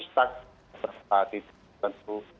stag seperti itu